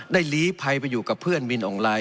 หลีภัยไปอยู่กับเพื่อนมินอองไลน